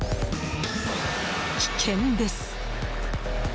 危険です！